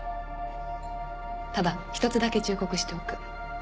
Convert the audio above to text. ただ一つだけ忠告しておく。